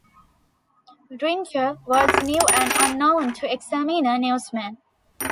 Ringer was new and unknown to "Examiner" newsmen.